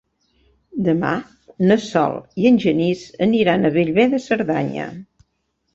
Demà na Sol i en Genís aniran a Bellver de Cerdanya.